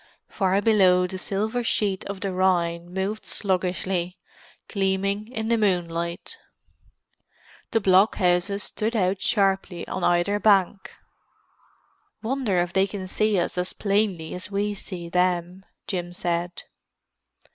Far below the silver sheet of the Rhine moved sluggishly, gleaming in the moonlight. The blockhouses stood out sharply on either bank. "Wonder if they can see us as plainly as we see them," Jim said.